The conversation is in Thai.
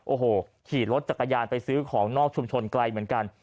โอ้โหขี่รถจักรยานไปซื้อของนอกชุมชนไกลเหมือนกัน